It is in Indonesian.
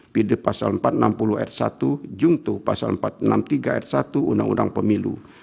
pid empat ratus enam puluh r satu jungto empat ratus enam puluh tiga r satu undang undang pemilu